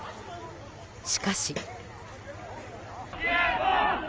しかし。